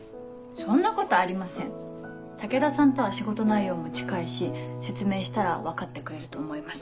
そんなことありません武田さんとは仕事内容も近いし説明したら分かってくれると思います。